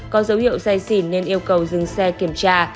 có dấu hiệu say xỉn nên yêu cầu dừng xe kiểm tra